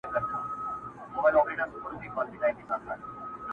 شتُرمرغ ویله زه ستاسي پاچا یم!